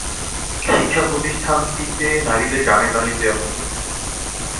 শিক্ষা প্রতিষ্ঠানটিতে নারীদের গানের তালিম দেওয়া হত।